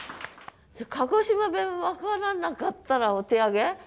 鹿児島弁分からなかったらお手上げ？